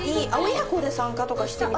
親子で参加とかしてみたいな。